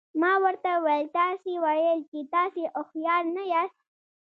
ما ورته وویل تاسي ویل چې تاسي هوښیار نه یاست.